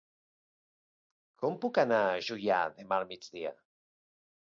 Com puc anar a Juià demà al migdia?